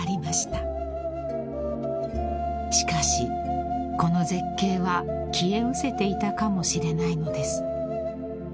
［しかしこの絶景は消えうせていたかもしれないのです］